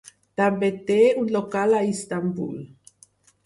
També té un local a Istanbul.